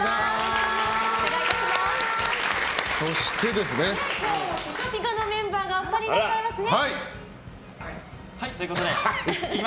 そしてピカピカのメンバーがお二人いらっしゃいますね。